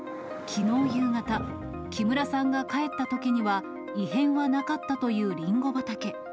きのう夕方、木村さんが帰ったときには、異変はなかったというリンゴ畑。